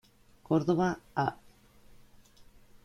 Córdoba, Av.